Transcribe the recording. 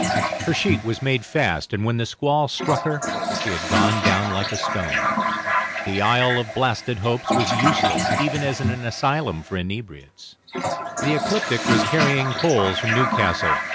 Her sheet was made fast, and when the squall struck her she had gone down like a stone. The Isle of Blasted Hopes was useless even as an asylum for inebriates. The 'Ecliptic' was carrying coals from Newcastle.